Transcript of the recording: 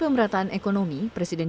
pekerja yang memberikan